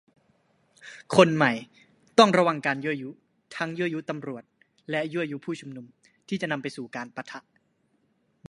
คนใหม่ ต้องระวังการยั่วยุ ทั้งยั่วยุตำรวจ และยั่วยุผู้ชุมนุม ที่จะนำไปสู่การปะทะ